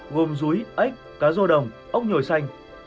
gồm rúi ếch cá dô đồng ốc nhồi xanh